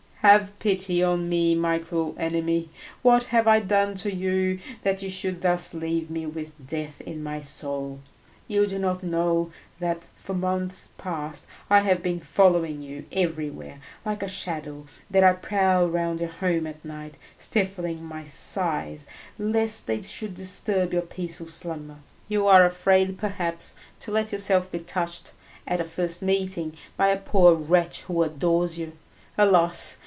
"Have pity on me, my cruel enemy! What have I done to you that you should thus leave me with death in my soul? You do not know that, for months past, I have been following you everywhere like a shadow, that I prowl round your home at night, stifling my sighs lest they should disturb your peaceful slumber. You are afraid, perhaps, to let yourself be touched, at a first meeting, by a poor wretch who adores you. Alas!